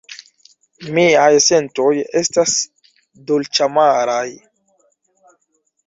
Miaj sentoj estas dolĉamaraj.